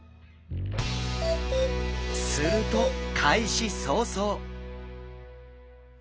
すると開始早々！